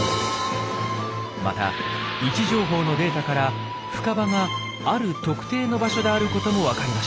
また位置情報のデータから深場がある特定の場所であることもわかりました。